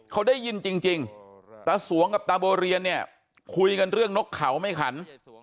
เขาได้ยินจริงตาสวงกับตาบัวเรียนเนี่ยคุยกันเรื่องนกเขาไม่ขัน